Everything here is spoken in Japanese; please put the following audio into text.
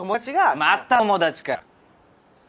また友達かよ？